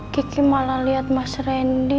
kiki malah lihat mas randy